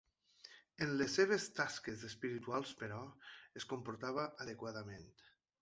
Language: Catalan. En les seves tasques espirituals però, es comportava adequadament.